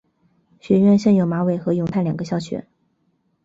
学院现有马尾和永泰两个校区。